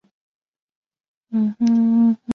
心里雀跃无比